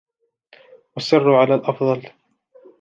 أصِرَّ على الأفضل.